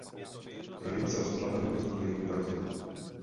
Rodina se rozpadla velmi brzy po jejím narození.